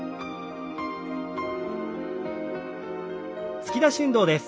突き出し運動です。